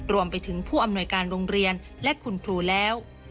รวมไปถึงผู้อำนวยการโรงเรียนและคุณครูแล้ว